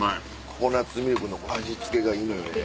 ココナツミルクの味付けがいいのよね。